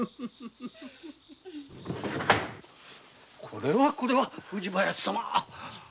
これはこれは藤林様。